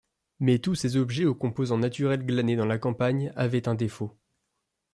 Mais tous ces objets aux composants naturels glanés dans la campagne avaient un défaut.